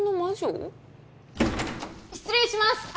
失礼します！